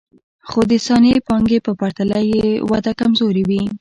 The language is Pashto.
خو د ثابتې پانګې په پرتله یې وده کمزورې وي